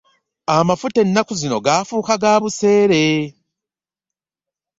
Amafuta enaku zino gafuuka gabuseere.